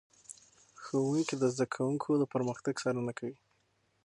ښوونکي د زده کوونکو د پرمختګ څارنه کوي.